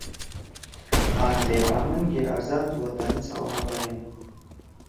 اں سے آمنگے آزاد وطن سوا بیَن۔